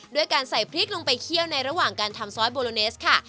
ด้วยการใส่พริกลงไปเคี่ยวในระหว่างการทำซอสโบโลเนสค่ะ